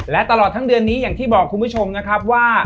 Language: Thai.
และตลอดทั้งเดือนนี้อย่างที่บอกคุณผู้ชมนะครับว่า